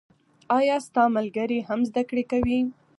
آیا ستا ملګري هم زده کړې کوي؟